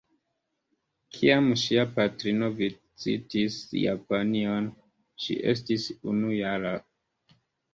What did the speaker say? Kiam ŝia patrino vizitis Japanion, ŝi estis unujara.